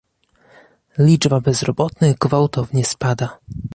Liczba bezrobotnych gwałtownie spada